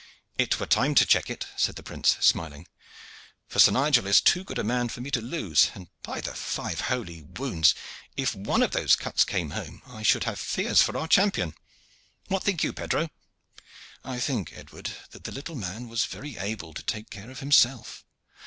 "It were time to check it," said the prince, smiling, "for Sir Nigel is too good a man for me to lose, and, by the five holy wounds! if one of those cuts came home I should have fears for our champion. What think you, Pedro?" "I think, Edward, that the little man was very well able to take care of himself.